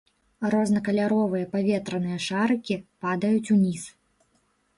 Рознакаляровыя паветраныя шарыкі падаюць уніз.